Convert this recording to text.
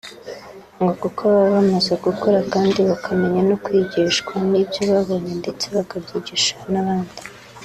ngo kuko baba bamaze gukura kandi bakamenya no kwigishwa n’ibyo babonye ndetse bakabyigisha n’abandi